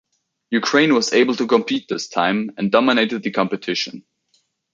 Ukraine was able to compete this time, and dominated the competition.